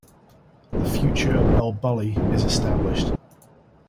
The future of elBulli is established.